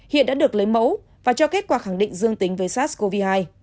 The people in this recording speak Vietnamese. hiện đã được lấy mẫu và cho kết quả khẳng định dương tính với sars cov hai